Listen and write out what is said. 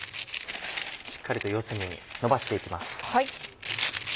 しっかりと四隅にのばして行きます。